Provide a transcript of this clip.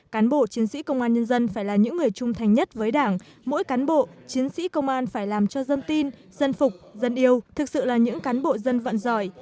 cán bộ chiến sĩ công an nhân dân phải là những người trung thành nhất với đảng mỗi cán bộ chiến sĩ công an phải làm cho dân tin dân phục dân yêu thực sự là những cán bộ dân vận giỏi